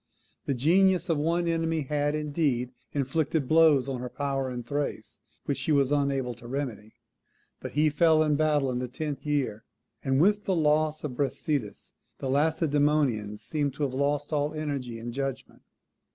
The genius of one enemy had, indeed, inflicted blows on her power in Thrace which she was unable to remedy; but he fell in battle in the tenth year of the war; and with the loss of Brasidas the Lacedaemonians seemed to have lost all energy and judgment.